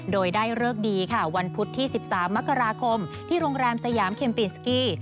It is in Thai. โดยได้เลิกดีค่ะวันพุธที่๑๓มกราคมที่โรงแรมสยามเมนสกี